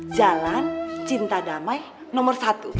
jalan cinta damai nomor satu